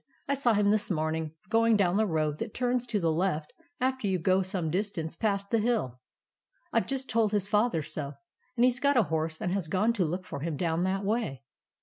" I saw him this morn ing going down the road that turns to the left after you go some distance past the hill. I 've just told his father so ; and he 's got a horse and has gone to look for him down that way."